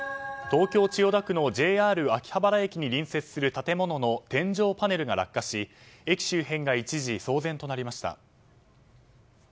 東京・千代田区のＪＲ秋葉原駅に隣接する建物の天井パネルが落下し駅周辺が一時騒然となりました。